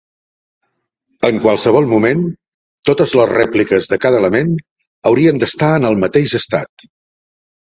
En qualsevol moment, totes les rèpliques de cada element haurien d'estar en el mateix estat.